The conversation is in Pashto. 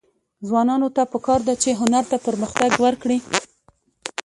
ځوانانو ته پکار ده چې، هنر پرمختګ ورکړي.